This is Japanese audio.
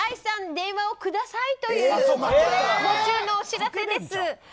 電話をくださいというお知らせです。